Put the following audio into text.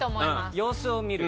様子を見る。